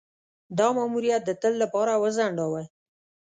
دا ماموریت د تل لپاره وځنډاوه.